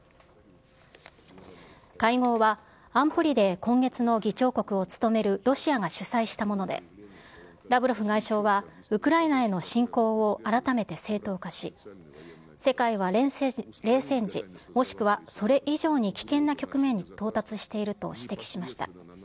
会合は安保理で今月の議長国を務めるロシアが主催したもので、ラブロフ外相はウクライナへの侵攻を改めて正当化し、世界は冷戦時、もしくはそれ以上に危険な局面に到達していると指摘しました。